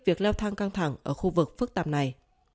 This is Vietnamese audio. việc leo thang căng thẳng ở khu vực phức tạp này